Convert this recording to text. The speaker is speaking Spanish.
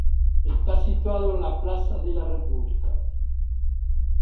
Está situado en la Plaza de la República.